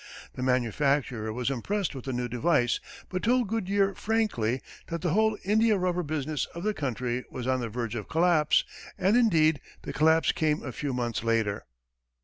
The manufacturer was impressed with the new device, but told Goodyear frankly that the whole India rubber business of the country was on the verge of collapse, and indeed, the collapse came a few months later.